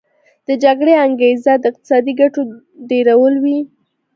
د جګړې انګیزه د اقتصادي ګټو ډیرول وي